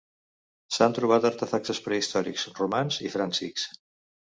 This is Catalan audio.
S'han trobat artefactes prehistòrics, romans i fràncics.